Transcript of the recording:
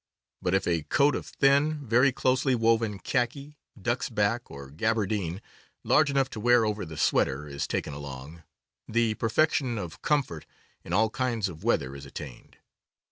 But if a coat of thin, very closely woven khaki, "duxbak," or gabardine, large enough to wear over the sweater, is taken along, the perfection of comfort in all kinds of weather is attained.